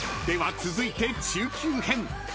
［では続いて中級編］